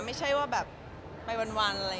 ไม่ใช่ว่าแบบไปวันอะไรอย่างนี้